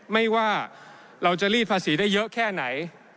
ไม่ว่าเราจะรีดภาษีได้เยอะแค่ไหน